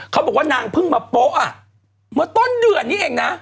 เขาบอกว่านางเพิ่งมาโป๊ะอ่ะเมื่อต้นเดือนนี้เองนะ